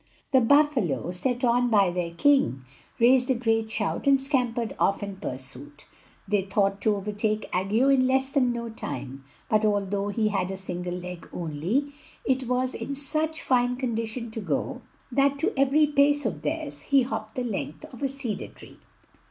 The buffalo, set on by their king, raised a great shout and scampered off in pursuit. They thought to overtake Aggo in less than no time; but although he had a single leg only, it was in such fine condition to go, that to every pace of theirs he hopped the length of a cedar tree.